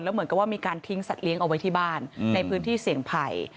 เหมือนกับว่ามีการทิ้งสัตว์เอาไว้ที่บ้านในพื้นที่เสี่ยงภัย